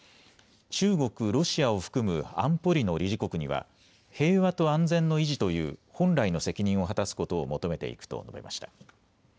中国、ロシアを含む安保理の理事国には平和と安全の維持という本来の責任を果たすことを求めていくと述べました。